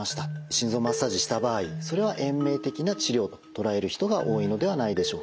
心臓マッサージした場合それは延命的な治療と捉える人が多いのではないでしょうか。